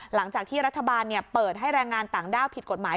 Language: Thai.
หลังจากที่รัฐบาลเปิดให้แรงงานต่างด้าวผิดกฎหมาย